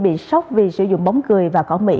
bị sốc vì sử dụng bóng cười và khó mỉ